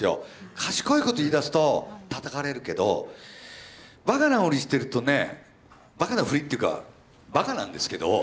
賢いこと言いだすとたたかれるけどバカなフリしてるとねバカなフリっていうかバカなんですけど。